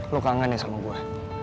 lo kangen ya sama gue